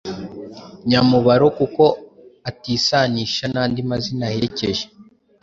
nyamubaro kuko atisanisha n’andi mazina aherekeje.